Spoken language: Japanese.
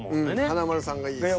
華丸さんがいいですね。